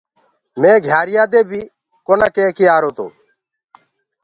مي گھيآريآ دي بي ڪونآ ڪيڪي آرو تو